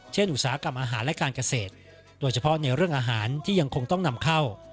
อุตสาหกรรมอาหารและการเกษตรโดยเฉพาะในเรื่องอาหารที่ยังคงต้องนำเข้า